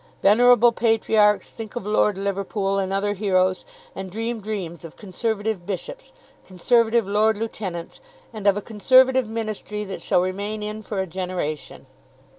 Venerable patriarchs think of Lord Liverpool and other heroes, and dream dreams of Conservative bishops, Conservative lord lieutenants, and of a Conservative ministry that shall remain in for a generation.